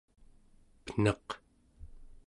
pen̄aq